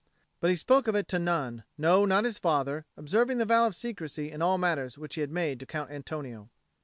But he spoke of it to none, no, not to his father, observing the vow of secrecy in all matters which he had made to Count Antonio.